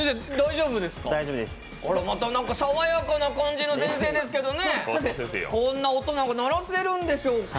また爽やかな感じですけどこんな音なんか鳴らせるんでしょうか。